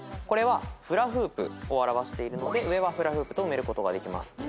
これはフラフープを表しているので上は「フラフープ」と埋めることができます。